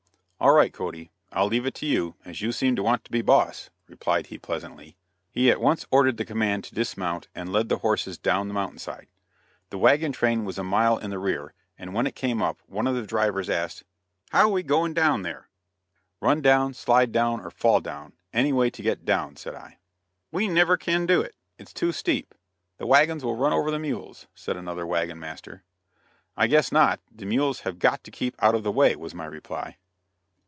"All right, Cody, I'll leave it to you, as you seem to want to be boss," replied he pleasantly. He at once ordered the command to dismount and lead the horses down the mountain side. The wagon train was a mile in the rear, and when it came up, one of the drivers asked: "How are we going down there?" "Run down, slide down or fall down any way to get down," said I. "We never can do it; it's too steep; the wagons will run over the mules," said another wagon master. "I guess not; the mules have got to keep out of the way," was my reply.